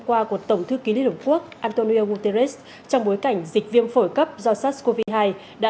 qua của tổng thư ký liên hợp quốc antonio guterres trong bối cảnh dịch viêm phổi cấp do sars cov hai đã